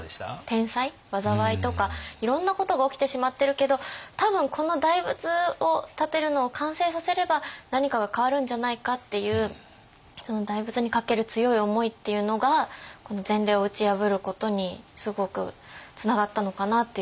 天災災いとかいろんなことが起きてしまってるけど多分この大仏を建てるのを完成させれば何かが変わるんじゃないかっていうその大仏にかける強い思いっていうのがこの前例を打ち破ることにすごくつながったのかなというふうに感じました。